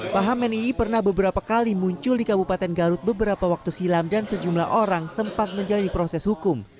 paham nii pernah beberapa kali muncul di kabupaten garut beberapa waktu silam dan sejumlah orang sempat menjalani proses hukum